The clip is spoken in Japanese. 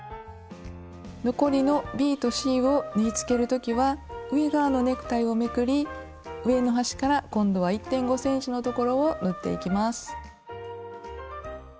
残りのｂとｃを縫いつける時は上側のネクタイをめくり上の端から今度は１．５ｃｍのところを縫っていきます。